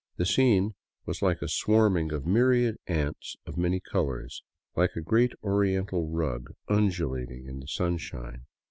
The scene was like a swarming of myriad ants of many colors ; like a great Oriental rug un dulating in the sunshine.